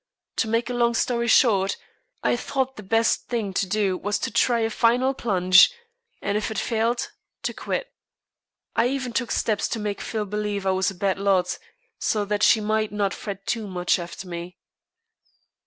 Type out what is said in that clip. To make a long story short, I thought the best thing to do was to try a final plunge, and if it failed, to quit. I even took steps to make Phil believe I was a bad lot, so that she might not fret too much after me."